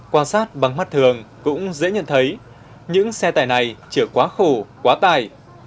quan sát bằng mắt thường cũng dễ nhận thấy những xe tải này chở quá khổ quá tải